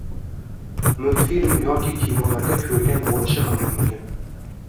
multfilm yoki kinolarda ko‘rgan bo‘lishi ham mumkin.